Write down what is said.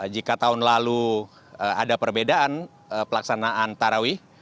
jika tahun lalu ada perbedaan pelaksanaan tarawih